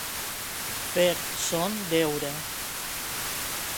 Fer son deure.